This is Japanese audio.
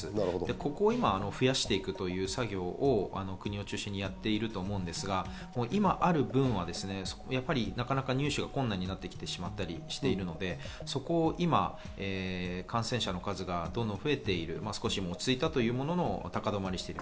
ここを今、増やしていく作業を国を中心にやってると思うんですが、今ある分は、なかなか入手が困難になってきてしまっているので、そこは今、感染者の数がどんどん増えて行ってちょっと落ち着いたものの高止まりしている。